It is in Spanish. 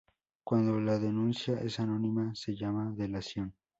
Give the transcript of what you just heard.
Cuando la denuncia es anónima, se llama delación.